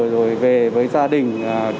rồi về với gia đình